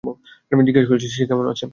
জিজ্ঞেস করেছি, সে কেমন আছে?